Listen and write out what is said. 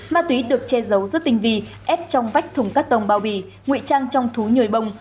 ma túy được che giấu rất tinh vi ép trong vách thùng cắt tông bao bì nguy trang trong thú nhồi bông